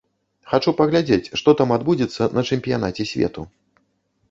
Хачу паглядзець, што там адбудзецца на чэмпіянаце свету.